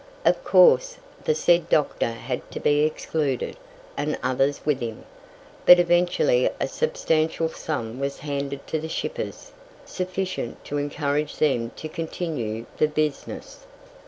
Of course, the said doctor had to be excluded, and others with him. But eventually a substantial sum was handed to the shippers, sufficient to encourage them to continue the business.